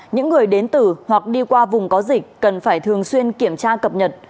những người đến từ hoặc đi qua vùng có dịch cần phải thường xuyên kiểm tra cập nhật